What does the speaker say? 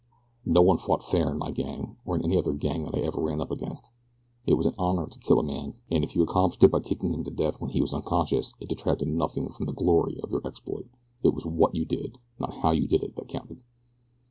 No one fought fair in my gang, or in any other gang that I ever ran up against. It was an honor to kill a man, and if you accomplished it by kicking him to death when he was unconscious it detracted nothing from the glory of your exploit it was WHAT you did, not HOW you did it, that counted.